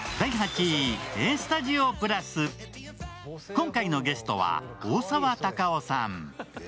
今回のゲストは大沢たかおさん。